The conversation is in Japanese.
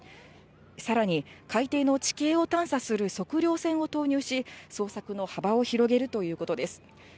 さらに海底の地形を探査する測量船を投入し、捜索の幅を広げるということです。